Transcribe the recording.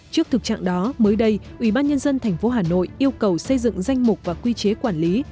trước thực trạng đó mới đây ubnd tp hà nội yêu cầu xây dựng danh mục và quy chế quản lý